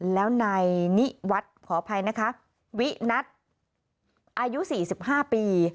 แล้วนายนิวัฒน์ขออภัยนะคะวินัทอายุ๔๕ปี